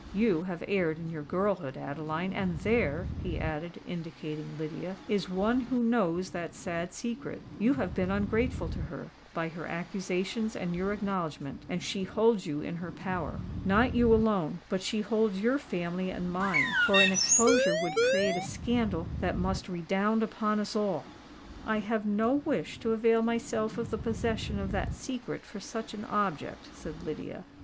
You have erred in your girlhood, Adeline! and there," he added, indicating Lydia, "is one who knows that sad secret. You have been ungrateful to her—by her accusations and your acknowledgment; and she holds you in her power. Not you alone:—but she holds your family and mine—for an exposure would create a scandal that must redound upon us all!" "I have no wish to avail myself of the possession of that secret for such an object," said Lydia.